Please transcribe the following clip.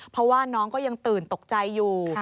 เพราะว่าน้องก็ยังตื่นตกใจอยู่